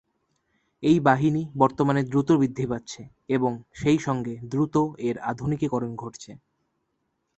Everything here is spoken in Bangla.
এই বাহিনী বর্তমানে দ্রুত বৃদ্ধি পাচ্ছে এবং সেই সঙ্গে দ্রুত এর আধুনিকীকরণ ঘটছে।